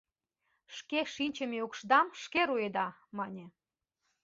«Шке шинчыме укшдам шке руэда», — мане.